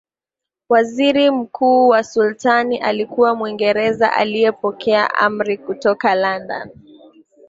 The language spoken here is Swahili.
waziri mkuu wa Sultani alikuwa Mwingereza aliyepokea amri kutoka London